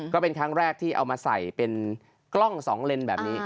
ก็เป็นครั้งแรกที่เอามาใส่เป็นกล้อง๒เลนแบบนี้